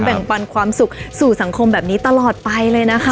แบ่งปันความสุขสู่สังคมแบบนี้ตลอดไปเลยนะคะ